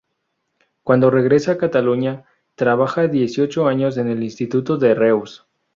Cuando regresa a Cataluña, trabaja dieciocho años en el Instituto de Reus.